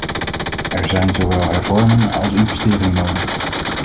Er zijn zowel hervormingen als investeringen nodig.